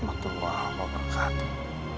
waalaikumsalam warahmatullahi wabarakatuh